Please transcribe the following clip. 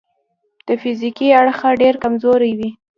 د فزیکي اړخه ډېر کمزوري وي.